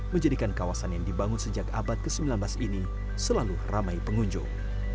menjadikan kawasan yang dibangun sejak abad ke sembilan belas ini selalu ramai pengunjung